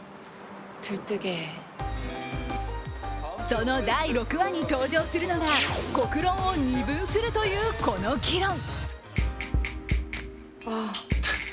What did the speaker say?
その第６話に登場するのは国論を二分するというこの議論。